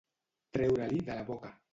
Treure-l'hi de la boca.